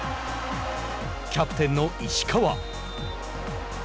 キャプテンの石川。